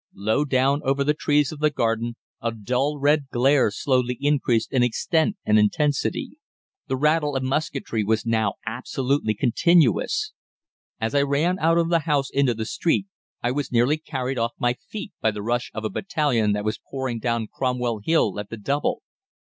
Low down over the trees of the garden a dull red glare slowly increased in extent and intensity. The rattle of musketry was now absolutely continuous. As I ran out of the house into the street, I was nearly carried off my feet by the rush of a battalion that was pouring down Cromwell Hill at the double.